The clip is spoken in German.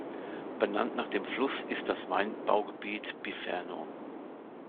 Benannt nach dem Fluss ist das Weinbaugebiet Biferno.